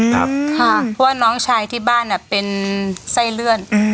เพราะว่าน้องชายที่บ้านเป็นไส้เลื่อน